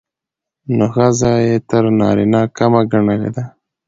نو ښځه يې تر نارينه کمه ګڼلې ده.